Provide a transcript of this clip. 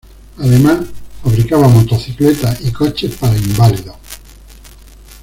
Además, fabricaba motocicletas y coches para inválidos.